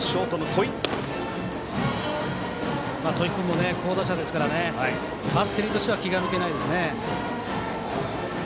戸井君も好打者ですからバッテリーとしては気が抜けないですね。